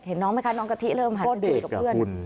น้องไหมคะน้องกะทิเริ่มหันคุยกับเพื่อน